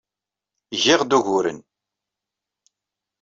Giɣ-d uguren.